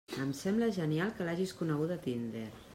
Em sembla genial que l'hagis coneguda a Tinder!